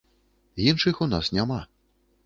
Іншых у нас няма.